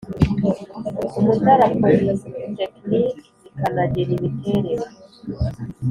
Umutara polytechnic rikanagena imiterere